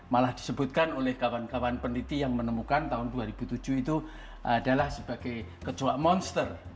malah disebutkan oleh kawan kawan peneliti yang menemukan tahun dua ribu tujuh itu adalah sebagai ketua monster